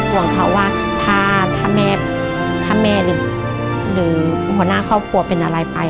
หวังเขาว่าถ้าแม่หรือหัวหน้าครอบครัวเป็นอะไรไป